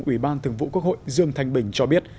ủy ban thường vụ quốc hội dương thanh bình cho biết